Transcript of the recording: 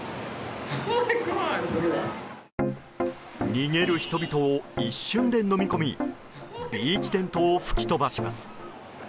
逃げる人々を一瞬でのみ込みビーチテントを吹き飛ばします。